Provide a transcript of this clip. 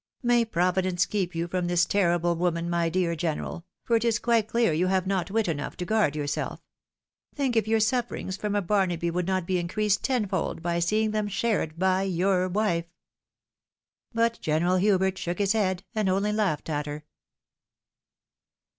May Providence keep you from this terrible woman, my dear General, for it is quite clear you have not wit enough to guard yourself — ^think if your sufferings from a Barnaby would not be increased tenfold by seeing them shared by your wife !" But General Hubert shook Ma head, and only laughed at her.